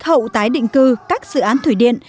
hậu tái định cư các dự án thủy điện